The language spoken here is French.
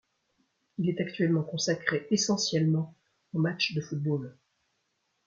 Il est actuellement consacré essentiellement aux matchs de football.